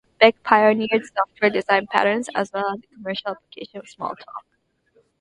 Beck pioneered software design patterns, as well as the commercial application of Smalltalk.